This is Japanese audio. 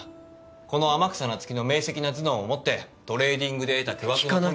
この天草那月の明晰な頭脳をもってトレーディングで得た巨額の富の。